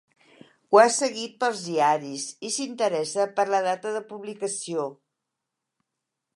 Ho ha seguit pels diaris i s'interessa per la data de publicació.